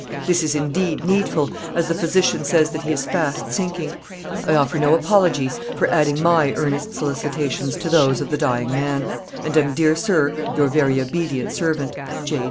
This is indeed needful, as the physician says that he is fast sinking. I offer no apology for adding my earnest solicitations to those or the dying man; and am, dear sir, your very obedient servant, "J.